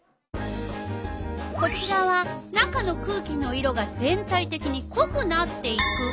こちらは中の空気の色が全体てきにこくなっていく。